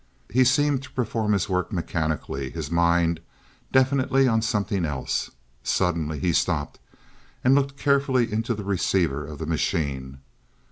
He seemed to perform this work mechanically, his mind definitely on something else. Suddenly he stopped, and looked carefully into the receiver of the machine.